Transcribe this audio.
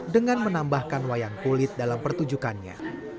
dengan menambahkan wayang kulit dalam pertunjukannya